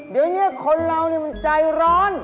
เดี๋ยวเนี่ยคนเรานี่มันใจร้อน